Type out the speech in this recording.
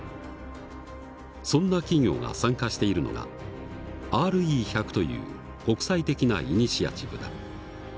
そんな企業が参加しているのがＲＥ１００という国際的なイニシアチブだ。